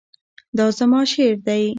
دا زما شعر دی